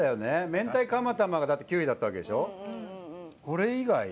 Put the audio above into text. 明太釜玉がだって９位だったわけでしょ？